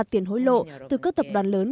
tiền hối lộ từ các tập đoàn lớn